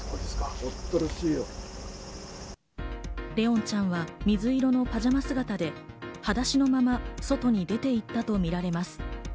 怜音ちゃんは水色のパジャマ姿ではだしのまま外に出て行ったとみられています。